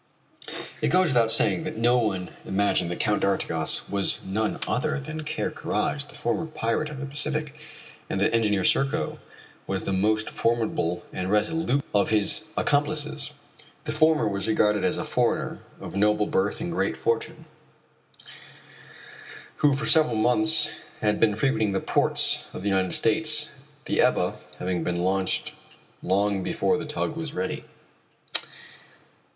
It goes without saying that no one imagined that Count d'Artigas was none other than Ker Karraje, the former pirate of the Pacific, and that Engineer Serko was the most formidable and resolute of his accomplices. The former was regarded as a foreigner of noble birth and great fortune, who for several months had been frequenting the ports of the United States, the Ebba having been launched long before the tug was ready.